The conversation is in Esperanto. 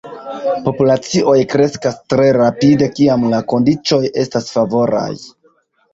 Populacioj kreskas tre rapide kiam la kondiĉoj estas favoraj.